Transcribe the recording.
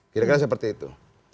kira kira seperti itu